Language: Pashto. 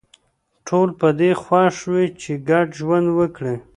ټول په دې خوښ وي چې ګډ ژوند وکړي